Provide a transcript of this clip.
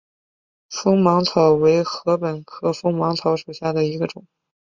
锋芒草为禾本科锋芒草属下的一个种。